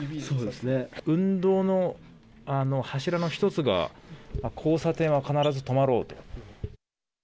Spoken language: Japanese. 運動の柱の１つが交差点は必ず止まろうと。